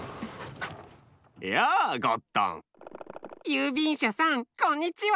ゆうびんしゃさんこんにちは。